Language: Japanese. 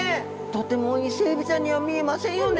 とてもイセエビちゃんには見えませんよね。